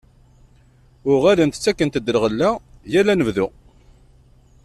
Uɣalent ttakent-d lɣella yal anebdu.